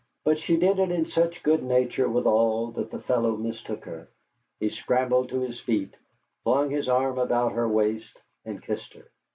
But she did it in such good nature withal that the fellow mistook her. He scrambled to his feet, flung his arm about her waist, and kissed her.